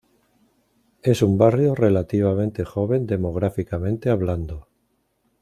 Es un barrio relativamente joven demográficamente hablando.